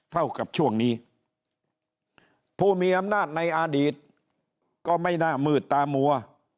เท่ากับช่วงนี้ผู้มีอำนาจในอดีตก็ไม่น่ามืดตามัว